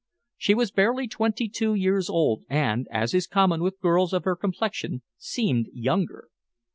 She was barely twenty two years old, and, as is common with girls of her complexion, seemed younger.